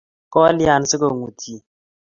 kolyain sikong'utyi?